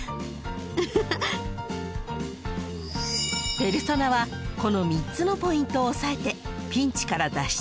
［ペルソナはこの３つのポイントを押さえてピンチから脱出］